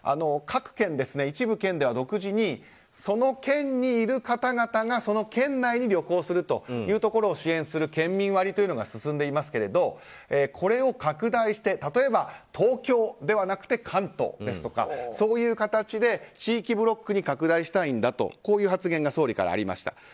各県、一部県では独自にその県にいる方々がその県内に旅行するというところを支援する県民割というのが進んでいますが、これを拡大して例えば東京ではなくて関東ですとかそういう形で地域ブロックに拡大したいんだとこういう発言が総理からありました。